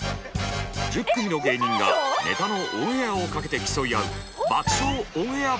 １０組の芸人がネタのオンエアをかけて競い合う。